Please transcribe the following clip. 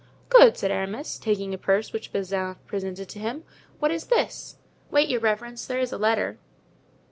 "Good," said Aramis, taking a purse which Bazin presented to him. "What is this?" "Wait, your reverence, there is a letter."